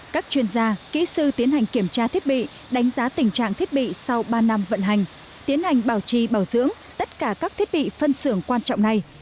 các chuyên gia kỹ sư tiến hành kiểm tra thiết bị đánh giá tình trạng thiết bị sau ba năm vận hành tiến hành bảo trì bảo dưỡng tất cả các thiết bị phân xưởng quan trọng này